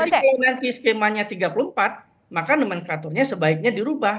jadi kalau nanti skemanya tiga puluh empat maka nomenklaturnya sebaiknya dirubah